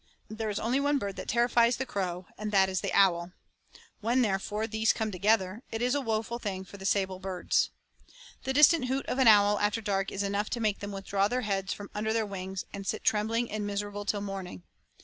There is only one bird that terrifies the crow, and that is the owl. When, therefore, these come together it is a woeful thing for the sable birds. The distant hoot of an owl after dark is enough to make them withdraw their heads from under their wings, and sit trembling and miserable till morning.